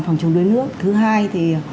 phòng chống đuối nước thứ hai thì